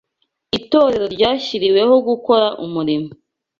Itorero ryashyiriweho gukora umurimo;